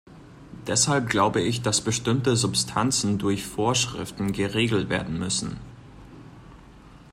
Deshalb glaube ich, dass bestimmte Substanzen durch Vorschriften geregelt werden müssen.